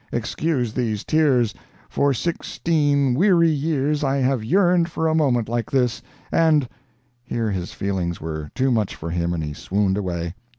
Excuse these tears. For sixteen weary years I have yearned for a moment like this, and—" Here his feelings were too much for him, and he swooned away.